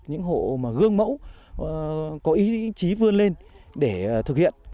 những hộ mà gương mẫu có ý chí vươn lên để thực hiện